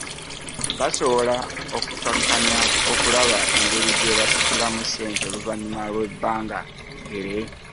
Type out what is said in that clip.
Basobola okukkaanya okulaba engeri gye basasulamu ssente oluvannyuma lw'ebbanga eggere